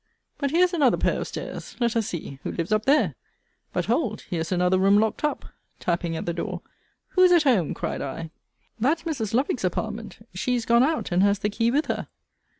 But here's another pair of stairs: let us see: Who lives up there? but hold, here's another room locked up, tapping at the door Who's at home? cried I. That's Mrs. Lovick's apartment. She is gone out, and has the key with her.